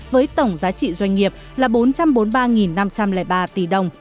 với tổng giá trị doanh nghiệp là bốn trăm bốn mươi ba năm trăm linh ba tỷ đồng